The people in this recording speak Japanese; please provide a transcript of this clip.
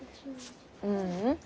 ううん。